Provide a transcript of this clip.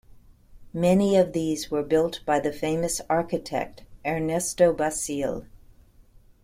Many of these were built by the famous architect Ernesto Basile.